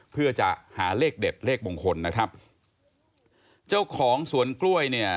เพื่อจะหาเลขเด็ดเลขมงคลนะครับเจ้าของสวนกล้วยเนี่ย